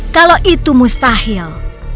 kalau itu mustahil